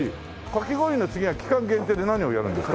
かき氷の次は期間限定で何をやるんですか？